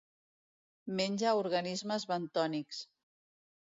Menja organismes bentònics.